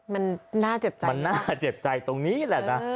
มันน่าเจ็บใจมันน่าเจ็บใจตรงนี้แหละนะ